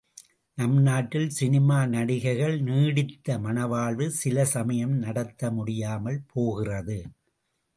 நம் நாட்டில் சினிமா நடிகைகள் நீடித்த மணவாழ்வு சில சமயம் நடத்த முடியாமல் போகிறது.